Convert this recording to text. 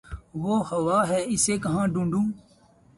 وہ ہوا ہے اسے کہاں ڈھونڈوں